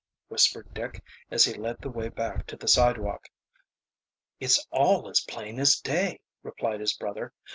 whispered Dick, as he led the way back to the sidewalk. "It's all as plain as day," replied his brother.